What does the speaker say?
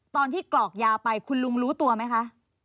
กรกรอกยาไปคุณลุงรู้ตัวไหมคะ